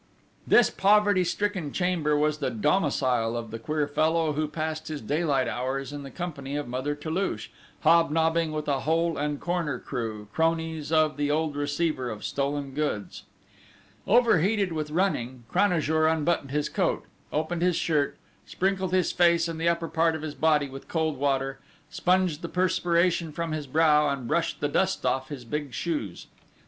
This poverty stricken chamber was the domicile of the queer fellow who passed his daylight hours in the company of Mother Toulouche, hobnobbing with a hole and corner crew, cronies of the old receiver of stolen goods. Overheated with running, Cranajour unbuttoned his coat, opened his shirt, sprinkled his face and the upper part of his body with cold water, sponged the perspiration from his brow, and brushed the dust off his big shoes.